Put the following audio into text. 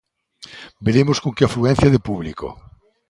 Veremos con que afluencia de público.